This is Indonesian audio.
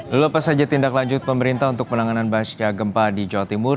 lepas saja tindak lanjut pemerintah untuk penanganan bahasa jawa timur